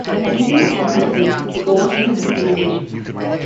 The helical-scan system overcame this limitation.